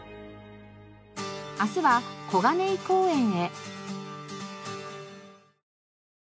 明日は小金井公園へ。